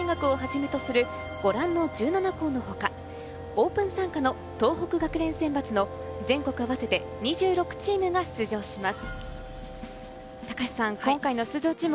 拓殖大学をはじめとするご覧の１７校のほか、オープン参加の東北学連選抜の全国あわせて２６チームが出場します。